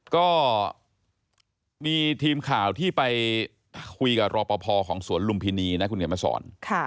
ก็มีทีมข่าวที่ไปคุยกับรอปภของสวนลุมพินีนะคุณเขียนมาสอน